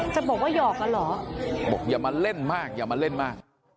จะบอกว่าหยอกกันเหรอบอกอย่ามาเล่นมากอย่ามาเล่นมาก